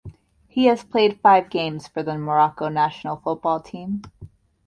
He has played five games for the Morocco national football team.